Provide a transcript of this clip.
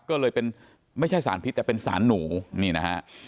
ก็เลยเป็นไม่ใช่สารพิษแต่เป็นสารหนูนี่นะฮะ